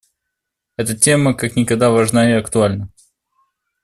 Эта тема как никогда важна и актуальна.